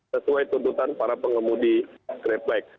sesuai tuntutan para pengemudi grepek